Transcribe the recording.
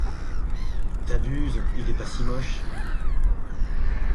T'abuses, il est pas si moche.